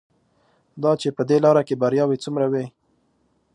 دا چې په دې لاره کې بریاوې څومره وې.